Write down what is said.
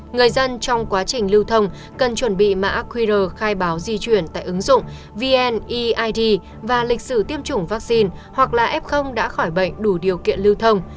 người dân trong quá trình lưu thông cần chuẩn bị mã qr khai báo di chuyển tại ứng dụng vneid và lịch sử tiêm chủng vaccine hoặc là f đã khỏi bệnh đủ điều kiện lưu thông